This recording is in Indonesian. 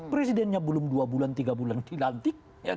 presidennya belum dua bulan tiga bulan dilantik